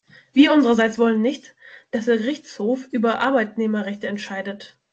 Wir unsererseits wollen nicht, dass der Gerichtshof über Arbeitnehmerrechte entscheidet.